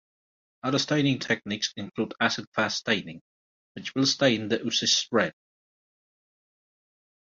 Other staining techniques include acid-fast staining, which will stain the oocysts red.